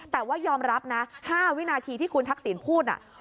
แต่ว่ายอมรับนะ๕วินาทีที่คุณทักษิณพูดน่ะ